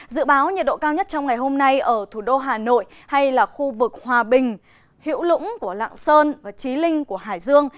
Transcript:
dự báo nhiệt độ cao nhất trong ngày hôm nay ở thủ đô hà nội hay là khu vực hòa bình hữu lũng của lạng sơn và trí linh của hải dương